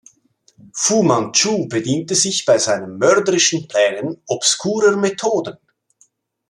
Fu Man Chu bedient sich bei seinen mörderischen Plänen obskurer Methoden.